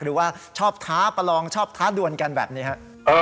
หรือว่าชอบท้าประลองชอบท้าดวนกันแบบนี้ครับ